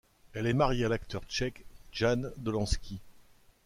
Elle est mariée à l'acteur tchèque Jan Dolanský.